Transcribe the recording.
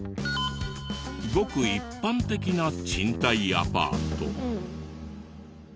ごく一般的な賃貸アパート。